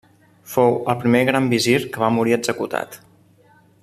Fou el primer gran visir que va morir executat.